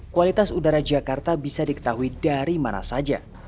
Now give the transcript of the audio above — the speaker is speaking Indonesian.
kualitas udara jakarta bisa diketahui dari mana saja